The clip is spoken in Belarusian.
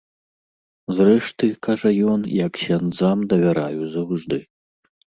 Зрэшты, кажа ён, я ксяндзам давяраю заўжды.